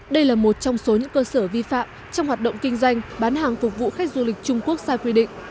đây là một trong số những cơ sở vi phạm trong hoạt động kinh doanh bán hàng phục vụ khách du lịch trung quốc sai quy định